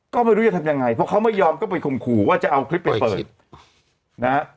ก็ไม่รู้จะทำยังไงเพราะเขาไม่ยอมก็ไปข่มขู่ว่าจะเอาคลิปไปเปิดนะฮะ